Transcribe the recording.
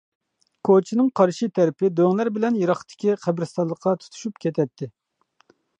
كوچىنىڭ قارشى تەرىپى دۆڭلەر بىلەن يىراقتىكى قەبرىستانلىققا تۇتۇشۇپ كېتەتتى.